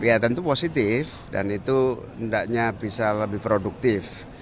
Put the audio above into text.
ya tentu positif dan itu hendaknya bisa lebih produktif